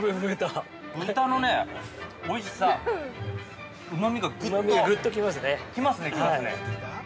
豚のね、おいしさ、うまみがぐっと、来ますね、来ますね。